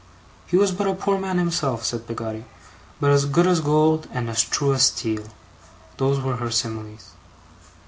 He was but a poor man himself, said Peggotty, but as good as gold and as true as steel those were her similes.